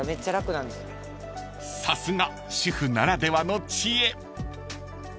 ［さすが主婦ならではの知恵］